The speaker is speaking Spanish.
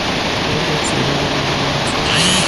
Fue un gran seguidor de la Liga de Naciones.